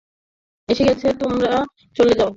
এসে গেছে, তোমরা চলে যাও।